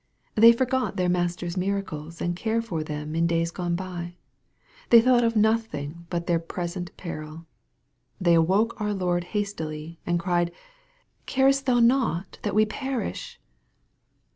They forgot their Master's miracles and care for them in days gone by. They thought ot nothing but their present peril. They awoke our Lord hastily, and cried, " Carest thou not that we perish